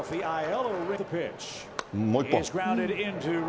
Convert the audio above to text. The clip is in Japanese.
もう一本。